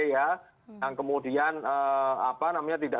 yang kemudian tidak